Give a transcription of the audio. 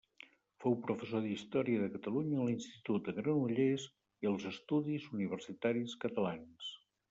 Fou professor d'història de Catalunya a l'Institut de Granollers i als Estudis Universitaris Catalans.